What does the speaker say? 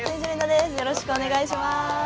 よろしくお願いします。